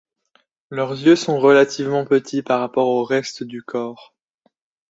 Leurs yeux sont relativement petits par rapport au reste du corps.